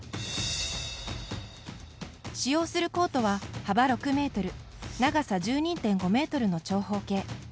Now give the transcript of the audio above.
使用するコートは、幅６ｍ長さ１２．５ｍの長方形。